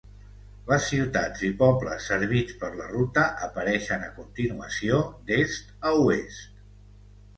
Les ciutats i pobles servits per la ruta apareixen a continuació, d'est a oest.